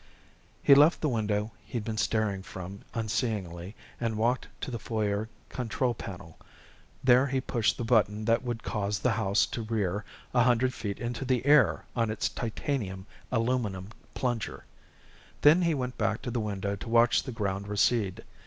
He left the window he'd been staring from unseeingly and walked to the foyer control panel. There he pushed the button that would cause the house to rear a hundred feet into the air on its titanium aluminum plunger. Then he went back to the window to watch the ground recede.